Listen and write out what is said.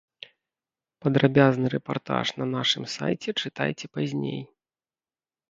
Падрабязны рэпартаж на нашым сайце чытайце пазней.